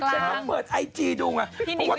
ฉันต้องเปิดไอจีดูไง